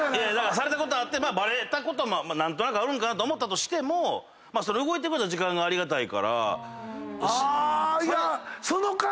されたことはあってバレたことも何となくあるんかなと思ったとしても動いてくれた時間がありがたいから。